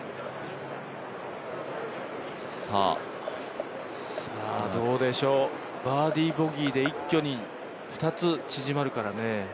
さあどうでしょう、バーディー・ボギーで一挙に２つ縮まるからね。